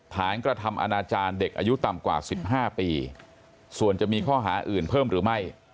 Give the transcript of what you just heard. กระทำอนาจารย์เด็กอายุต่ำกว่า๑๕ปีส่วนจะมีข้อหาอื่นเพิ่มหรือไม่